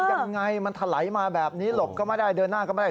ยังไงมันถลายมาแบบนี้หลบก็ไม่ได้เดินหน้าก็ไม่ได้